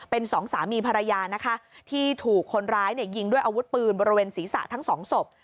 เป็นสองสามีภรรยานะคะที่ถูกคนร้ายยิงด้วยอาวุธปืนบริเวณศีรษะทั้งสองศพ